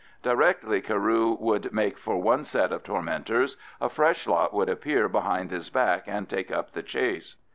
Directly Carew would make for one set of tormentors, a fresh lot would appear behind his back and take up the chase.